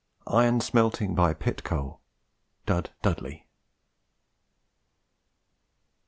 IRON SMELTING BY PIT COAL DUD DUDLEY.